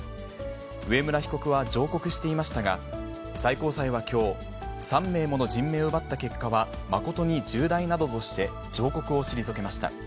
上村被告は上告していましたが、最高裁はきょう、３名もの人命を奪った結果は誠に重大などとして、上告を退けました。